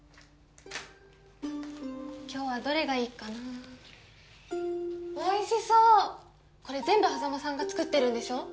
今日はどれがいっかなおいしそうこれ全部波佐間さんが作ってるんでしょ？